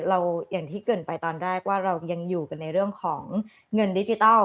อย่างที่เกิดไปตอนแรกว่าเรายังอยู่กันในเรื่องของเงินดิจิทัล